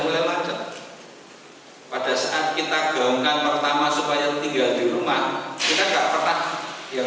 mulai macet pada saat kita gaungkan pertama supaya tinggal di rumah kita enggak pernah yang